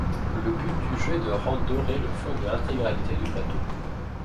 Le but du jeu est de rendre doré le fond de l'intégralité du plateau.